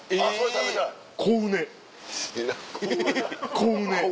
コウネ。